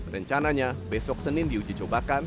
rencananya besok senin diuji cobakan